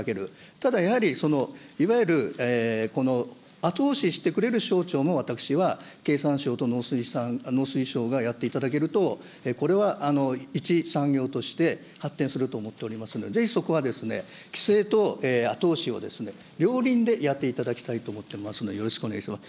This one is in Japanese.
ただやはりそのいわゆる、後押ししてくれる省庁も、私は経産省と農水省がやっていただけると、これは一産業として、発展すると思っておりますので、ぜひそこは規制と後押しを両輪でやっていただきたいと思っておりますので、よろしくお願いします。